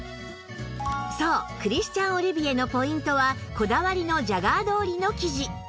そうクリスチャン・オリビエのポイントはこだわりのジャガード織りの生地